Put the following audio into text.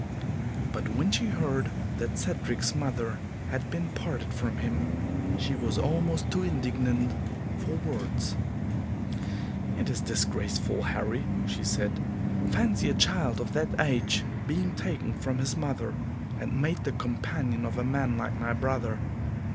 But when she heard that Cedric's mother had been parted from him she was almost too indignant for words. "It is disgraceful, Harry!" she said. "Fancy a child of that age being taken from his mother, and made the companion of a man like my brother!